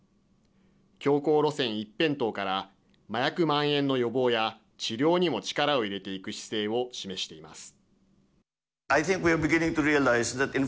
強硬路線一辺倒から麻薬まん延の予防や治療にも力を入れていく姿勢を示しています。